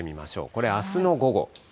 これ、あすの午後。